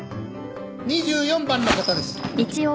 ２４番の方です。